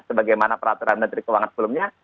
sebagaimana peraturan menteri keuangan sebelumnya